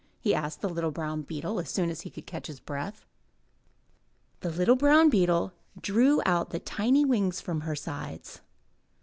'' he asked the little brown beetle as soon as he could catch his breath. The little brown beetle drew out the tiny wings from her sides.